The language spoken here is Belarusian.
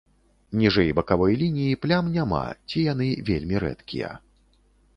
Ніжэй бакавой лініі плям няма ці яны вельмі рэдкія.